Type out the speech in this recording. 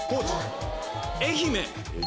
愛媛。